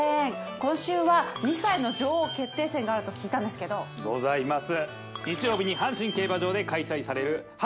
今週は２歳の女王決定戦があると聞いたんですけどございます！